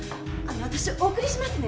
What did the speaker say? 私お送りしますね